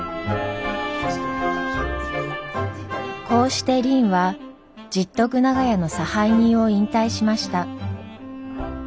こうしてりんは十徳長屋の差配人を引退しました。